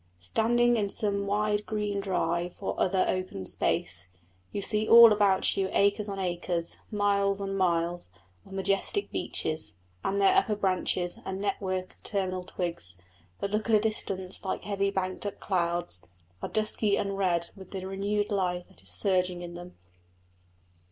Standing in some wide green drive or other open space, you see all about you acres on acres, miles on miles, of majestic beeches, and their upper branches and network of terminal twigs, that look at a distance like heavy banked up clouds, are dusky red and purple with the renewed life that is surging in them.